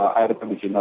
saya itu sebetulnya